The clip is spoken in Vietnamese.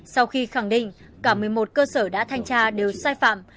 sau khi khẳng định cả một mươi một cơ sở đã thanh tra đều sai phạm